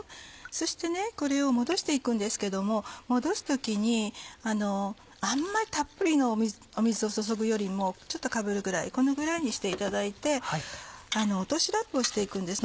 そしてこれをもどして行くんですけどももどす時にあんまりたっぷりの水を注ぐよりもちょっとかぶるぐらいこのぐらいにしていただいて落としラップをして行くんです